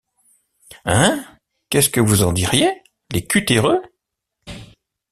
Hein ? qu’est-ce que vous en diriez, les culs-terreux ?